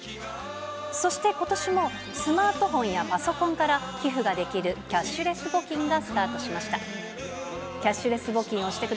そしてことしもスマートフォンやパソコンから、寄付ができるキャッシュレス募金がスタートしました。